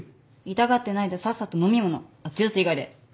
痛がってないでさっさと飲み物ジュース以外で。